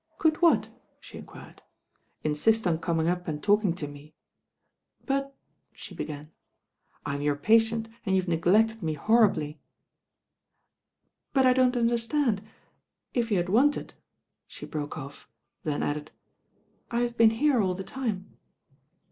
"Could what?" she enquired. "Insist on coming up and talking to me." I'But " she began. "I'm your patient, and you've nedected me hor ribly." "But I don't understand. If you had wanted '* She broke off, then added, "I have been here aU the time."